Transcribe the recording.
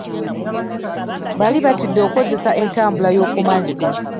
Baali batidde okukozesa entambula y'oku mazzi.